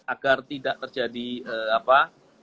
agar tidak terjadi apa